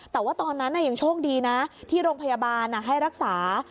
แต่ว่าตอนนั้นยังโชคดีนะที่โรงพยาบาลให้รักษา